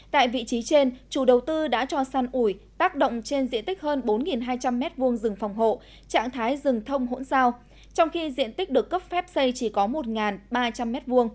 tại vị trí trên chủ đầu tư đã cho săn ủi tác động trên diện tích hơn bốn hai trăm linh m hai rừng phòng hộ trạng thái rừng thông hỗn sao trong khi diện tích được cấp phép xây chỉ có một ba trăm linh m hai